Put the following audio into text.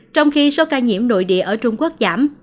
trong khi số ca nhiễm nội địa ở trung quốc giảm